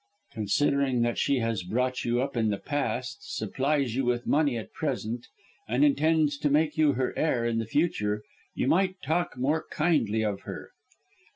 "Considering that she has brought you up in the past, supplies you with money at present, and intends to make you her heir in the future, you might talk more kindly of her."